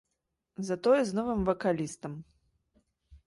Затое з новым вакалістам.